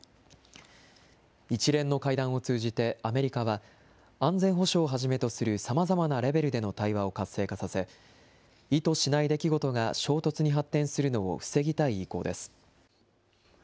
一連の会談を通じてアメリカは、安全保障をはじめとするさまざまなレベルでの対話を活性化させ、意図しない出来事が衝突に発展するのを防ぎたい意向です。